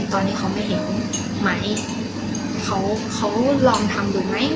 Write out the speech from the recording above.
ตอนนี้เขาไม่เห็นไหมเขาเขาลองทำดูไหม